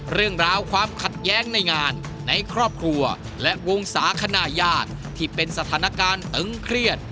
เรื่องราวความขัดแย้งในงานในครอบครัวและวงศาคณะญาติที่เป็นสถานการณ์ตึงเครียด